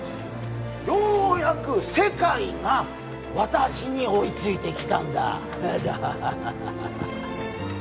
ようやく世界が私に追いついてきたんだハハハハハハ